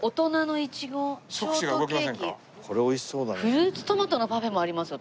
フルーツトマトのパフェもありますよ